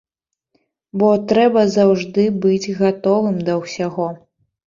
Бо трэба заўжды быць гатовым да ўсяго.